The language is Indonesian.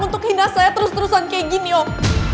untuk hina saya terus terusan kayak gini om